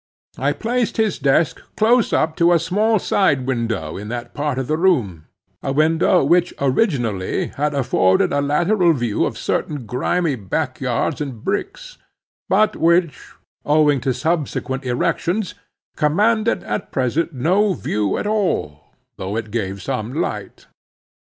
I placed his desk close up to a small side window in that part of the room, a window which originally had afforded a lateral view of certain grimy back yards and bricks, but which, owing to subsequent erections, commanded at present no view at all, though it gave some light.